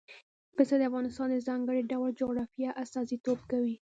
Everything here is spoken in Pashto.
پسه د افغانستان د ځانګړي ډول جغرافیه استازیتوب کوي.